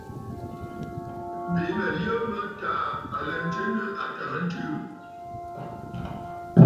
Bìꞌinə̀ yə mə taa aɨ lɛ ntswe nɨ àtàŋəntɨɨ aà.